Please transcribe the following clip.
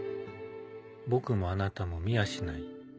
「僕もあなたも見やしない」